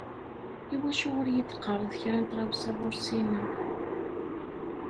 Iwacu ur yi-d-teqqareḍ kra n tɣawsa ur ssineɣ?